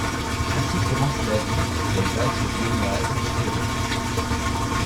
Ainsi commence la vie des valses viennoises au Pérou.